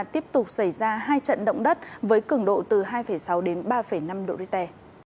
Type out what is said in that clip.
tiếp tục xảy ra hai trận động đất với cứng độ từ hai sáu đến ba năm độ rite